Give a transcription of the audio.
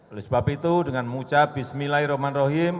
oleh sebab itu dengan mengucap bismillahirrahmanirrahim